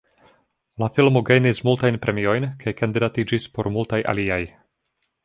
La filmo gajnis multajn premiojn, kaj kandidatiĝis por multaj aliaj.